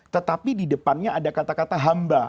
tetapi di depannya ada kata kata hamba